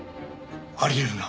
あり得るな。